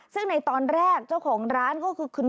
ซึ่งในตอนแรกเจ้าของร้านก็คือคุณ